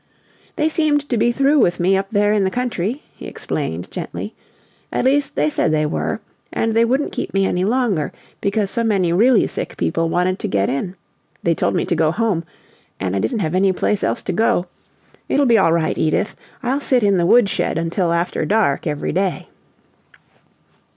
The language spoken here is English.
"They seemed to be through with me up there in the country," he explained, gently. "At least they said they were, and they wouldn't keep me any longer, because so many really sick people wanted to get in. They told me to go home and I didn't have any place else to go. It'll be all right, Edith; I'll sit in the woodshed until after dark every day."